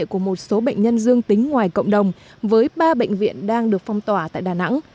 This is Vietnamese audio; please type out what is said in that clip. của một số bệnh nhân dương tính ngoài cộng đồng với ba bệnh viện đang được phong tỏa tại đà nẵng